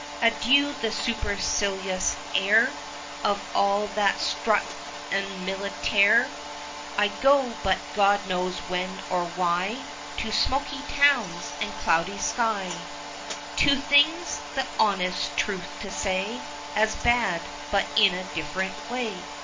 Adieu, the supercilious air Of all that strut 'en militaire!' 20 I go but God knows when, or why, To smoky towns and cloudy sky, To things (the honest truth to say) As bad but in a different way.